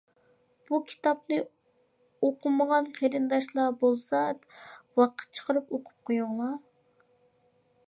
بۇ كىتابنى ئوقۇمىغان قېرىنداشلار بولسا ۋاقىت چىقىرىپ ئوقۇپ قويۇڭلار.